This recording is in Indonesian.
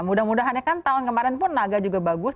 mudah mudahan kan tahun kemarin pun naga juga bagus